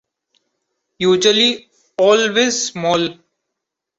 Usually always small!